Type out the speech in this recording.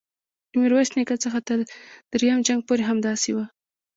د میرویس نیکه څخه تر دریم جنګ پورې همداسې وه.